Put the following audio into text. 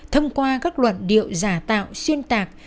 thông qua các luận điệu giả tạo xuyên tạc